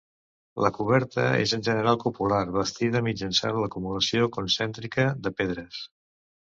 La coberta és en general cupular, bastida mitjançant l'acumulació concèntrica de pedres.